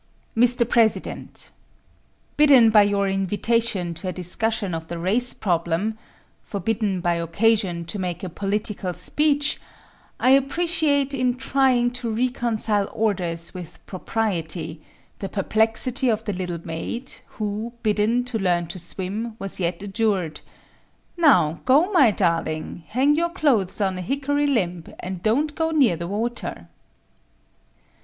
Mr. President: Bidden by your invitation to a discussion of the race problem forbidden by occasion to make a political speech I appreciate, in trying to reconcile orders with propriety, the perplexity of the little maid, who, bidden to learn to swim, was yet adjured, "Now, go, my darling; hang your clothes on a hickory limb, and don't go near the water."